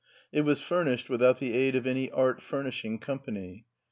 It was furnished without the aid of any art furnishing company.